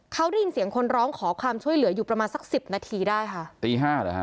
เขาได้ยินเสียงคนร้องขอความช่วยเหลืออยู่ประมาณสักสิบนาทีได้ค่ะตีห้าเหรอฮะ